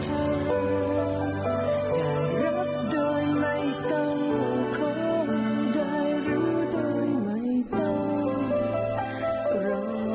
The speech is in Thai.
ถ้ารักโดยไม่ต้องขอได้รู้โดยไม่ต้องรอ